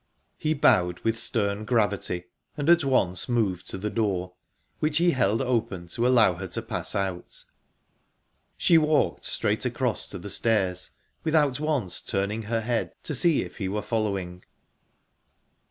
He bowed with stern gravity, and at once moved to the door, which he held open to allow her to pass out. She walked straight across to the stairs, without once turning her head to see if he were following.